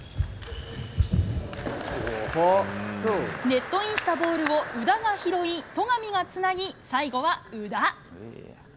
ネットインしたボールを宇田が拾い、戸上がつなぎ、最後は宇田。